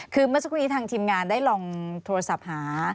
คือเมื่อสักครู่นี้ทางทีมงานได้ลองโทรศัพท์หา